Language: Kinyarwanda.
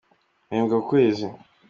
mpembwa kukwezi.